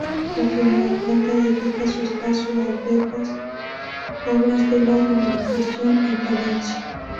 La primera planta dedica su espacio a albergar obras de la romanización en Palencia.